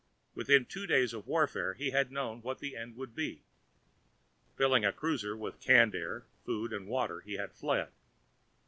Within two days of warfare, he had known what the end would be. Filling a cruiser with canned air, food and water, he had fled.